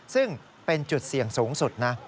ซึ่งเป็นจุดเสี่ยงสูงสุดนะ